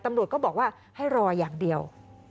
ตำรวจก็บอกว่าให้รออย่างเดียว